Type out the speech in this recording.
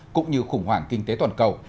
cũng như khủng hoảng kinh tế toàn cầu